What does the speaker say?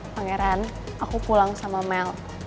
pangeran aku pulang sama mel